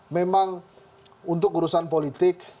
memang untuk urusan politik